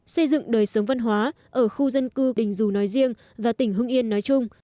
xây dựng đời sống văn hóa ở khu dân cư đình dù nói riêng và tỉnh hưng yên nói chung